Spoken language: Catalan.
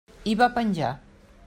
I va penjar.